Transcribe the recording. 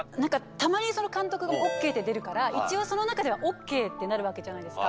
たまに監督がＯＫって出るから一応その中ではＯＫってなるわけじゃないですか。